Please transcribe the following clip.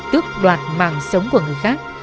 tước đoạt mạng sống của người khác